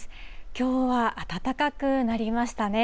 きょうは暖かくなりましたね。